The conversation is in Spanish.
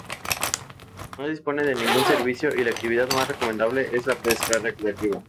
No dispone de ningún servicio y la actividad más recomendable es la pesca recreativa.